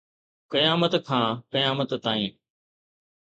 قيامت کان قيامت تائين